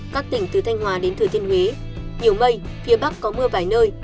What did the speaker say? các tỉnh từ thanh hòa đến thừa thiên huế nhiều mây phía bắc có mưa vài nơi